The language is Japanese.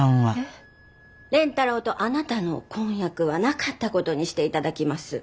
蓮太郎とあなたの婚約はなかったことにしていただきます。